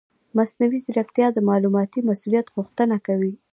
مصنوعي ځیرکتیا د معلوماتي مسؤلیت غوښتنه کوي.